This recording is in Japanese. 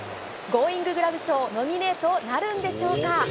ゴーインググラブ賞ノミネートなるんでしょうか。